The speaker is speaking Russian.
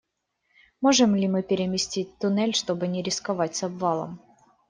Можем ли мы переместить туннель, чтобы не рисковать с обвалом?